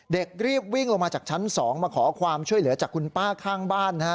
รีบวิ่งลงมาจากชั้น๒มาขอความช่วยเหลือจากคุณป้าข้างบ้านนะฮะ